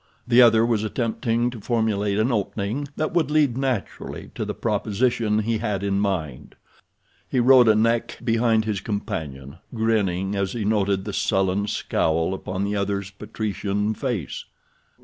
The other was attempting to formulate an opening that would lead naturally to the proposition he had in mind. He rode a neck behind his companion, grinning as he noted the sullen scowl upon the other's patrician face.